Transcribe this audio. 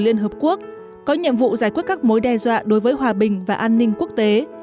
liên hợp quốc có nhiệm vụ giải quyết các mối đe dọa đối với hòa bình và an ninh quốc tế